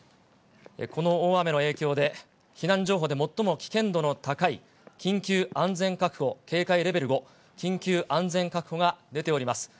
この大雨の影響で、避難情報で最も危険度の高い、緊急安全確保警戒レベル５、緊急安全確保が出ております。